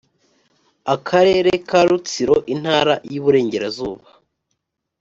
Akarere ka Rutsiro Intara y Iburengerazuba